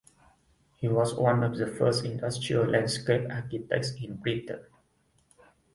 He was one of the first industrial landscape architects in Britain.